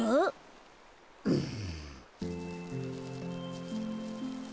うん？